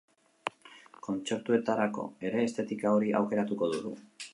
Kontzertuetarako ere estetika hori aukeratuko du?